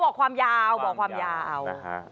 บอกความยาวบอกความยาว